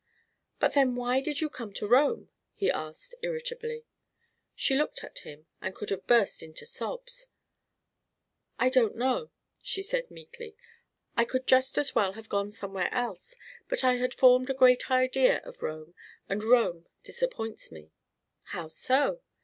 "But then why did you come to Rome?" he asked, irritably. She looked at him and could have burst into sobs: "I don't know," she said, meekly. "I could just as well have gone somewhere else. But I had formed a great idea of Rome; and Rome disappoints me." "How so?"